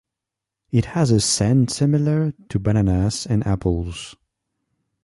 It has a scent similar to bananas and apples.